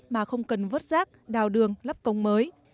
mà không cần vớt rác đào đường lắp công mới